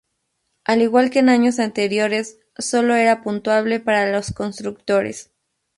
Al igual que en años anteriores solo era puntuable para los constructores.